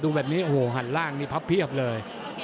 ดูแบบนี้หันล่างนี่พับเพียบเลย